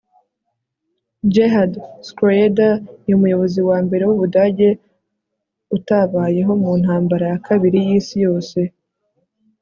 Gerhard Schroeder ni umuyobozi wa mbere wUbudage utabayeho mu Ntambara ya Kabiri yIsi Yose